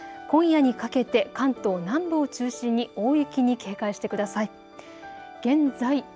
今夜にかけて関東南部を中心に大雪に警戒してください。